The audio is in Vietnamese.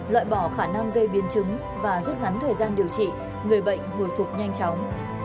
loại bỏ khả năng gây biến chứng và rút ngắn thời gian điều trị người bệnh hồi phục nhanh chóng